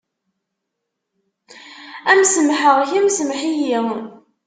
Am semḥeɣ, kemm semḥ-iyi.